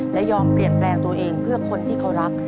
และยอมเปลี่ยนแปลงตัวเองเพื่อคนที่เขารัก